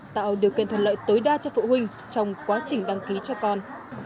tạo điều kiện thuận lợi tối đa cho phụ huynh trong quá trình đăng ký cho con